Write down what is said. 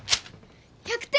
１００点。